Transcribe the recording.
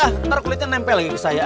ntar kulitnya nempel lagi ke saya